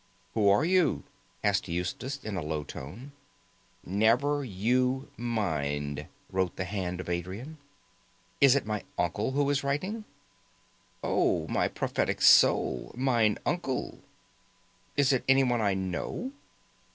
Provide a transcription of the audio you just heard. "Who are you?" asked Eustace, in a low voice. "Never you mind," wrote the hand of Adrian. "Is it my uncle who is writing?" "Oh, my prophetic soul, mine uncle." "Is it anyone I know?"